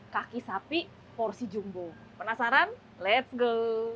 kaki sapi porsi jumbo penasaran let s go